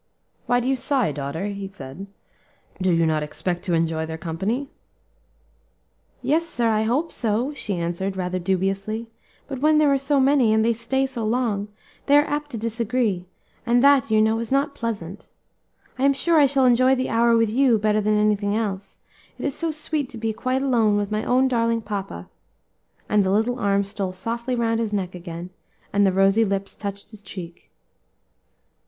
"Why do you sigh, daughter?" he asked; "do you not expect to enjoy their company?" "Yes, sir, I hope so," she answered, rather dubiously; "but when there are so many, and they stay so long, they are apt to disagree, and that, you know, is not pleasant. I am sure I shall enjoy the hour with you better than anything else; it is so sweet to be quite alone with my own darling papa," and the little arm stole softly round his neck again, and the rosy lips touched his cheek.